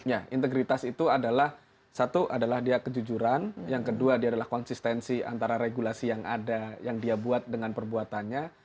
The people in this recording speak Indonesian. ya integritas itu adalah satu adalah dia kejujuran yang kedua dia adalah konsistensi antara regulasi yang ada yang dia buat dengan perbuatannya